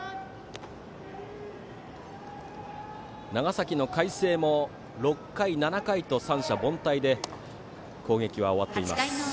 長崎の海星も６回、７回と三者凡退で攻撃は終わっています。